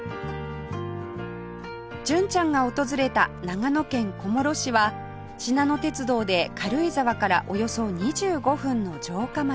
純ちゃんが訪れた長野県小諸市はしなの鉄道で軽井沢からおよそ２５分の城下町